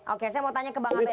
oke saya mau tanya ke bang abed